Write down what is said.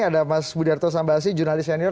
ada mas budiarto sambasi jurnalis senior